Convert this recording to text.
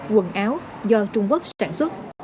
quần áo do trung quốc sản xuất